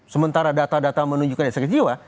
sementara data data menunjukkan eksekutif jiwa